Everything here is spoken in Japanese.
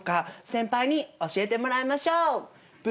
先輩に教えてもらいましょう！